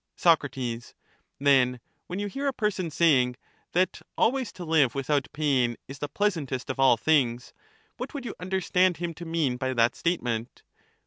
Soc, Then when you hear a person saying, that always to live without pain is the pleasantest of all things, what would you understand him to mean by that statement